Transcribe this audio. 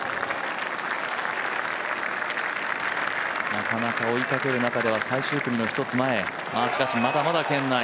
なかなか追いかける中では最終組の１つ前、しかしまだまだ圏内。